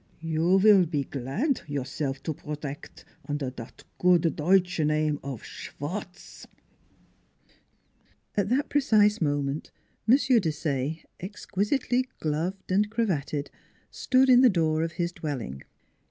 You vill pe glad yourself to brodect under dot good Deutsch name of Schwartz !" At that precise moment M. Desaye, exquisitely gloved and cravatted, stood in the door of his dwelling.